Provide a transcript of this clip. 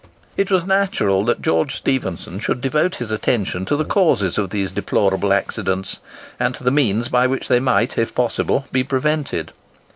It was natural that George Stephenson should devote his attention to the causes of these deplorable accidents, and to the means by which they might if possible be prevented.